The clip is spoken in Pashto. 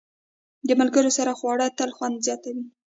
د ملګرو سره خواړه تل خوند زیاتوي.